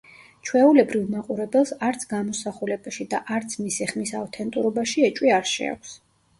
ჩვეულებრივ მაყურებელს არც გამოსახულებაში და არც მისი ხმის ავთენტურობაში ეჭვი არ შეაქვს.